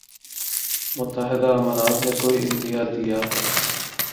متحدہ امارات نے کوئی عندیہ دیا ہے۔